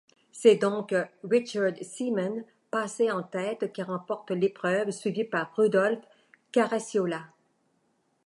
C'est donc Richard Seaman, passé en tête qui remporte l'épreuve, suivi par Rudolf Caracciola.